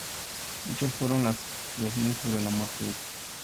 Muchas fueron las especulaciones sobre la muerte de Peter.